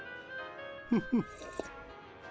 フフフ。